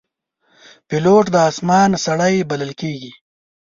پیلوټ د آسمان سړی بلل کېږي.